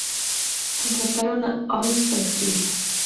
Contrataron a Holmes para escribirla.